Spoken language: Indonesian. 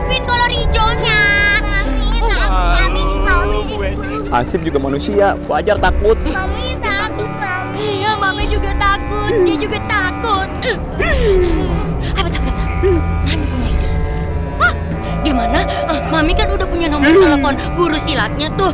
pin color hijaunya asyik juga manusia wajar takut takut takut